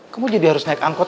kamu jadi harus naik angkot